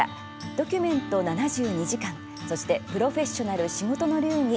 「ドキュメント７２時間」そして「プロフェッショナル仕事の流儀」